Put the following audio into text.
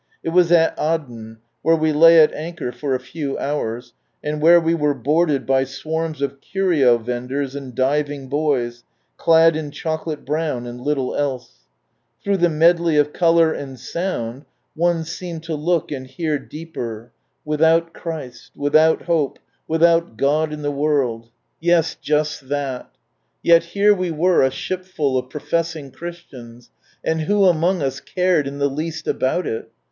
It was at Aden, where we lay at anchor for a few hours, and where we were boarded by swarms of curio vendors and diving boys, ciad in chocolate brown, and httle else. Through the medley of colour and soumi, one seemed to look and hear deeper— without Christ, without hope, without God in the world— yes, just 4 From Sunrise Land Oiat. Vet here we were, a shipful of |)rofessing Christians, and who among us cared ill the least about it?